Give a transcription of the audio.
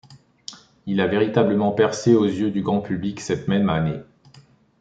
Il a véritablement percé aux yeux du grand public cette même année.